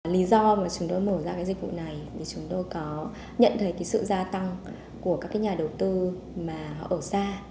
lý do mà chúng tôi mở ra cái dịch vụ này thì chúng tôi có nhận thấy sự gia tăng của các nhà đầu tư mà họ ở xa